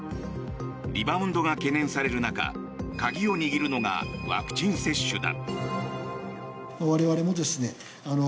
リバウンドが懸念される中鍵を握るのがワクチン接種だ。